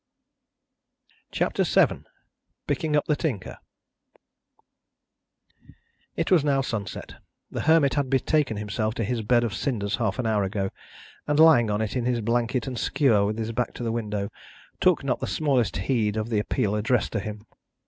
CHAPTER VII PICKING UP THE TINKER It was now sunset. The Hermit had betaken himself to his bed of cinders half an hour ago, and lying on it in his blanket and skewer with his back to the window, took not the smallest heed of the appeal addressed to him.